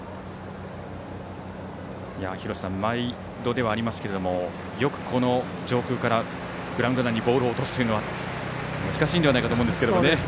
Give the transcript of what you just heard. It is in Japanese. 廣瀬さん、毎度ではありますがよく、この上空からグラウンド内にボールを落とすのは難しいのでないかと思うんですけどね。